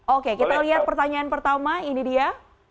oke kita lihat pertanyaan pertama ini dia